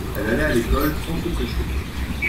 elle allait à l'école sans se presser.